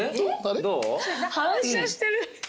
どう？